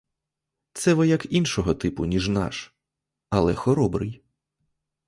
Це вояк іншого типу, ніж наш, але хоробрий.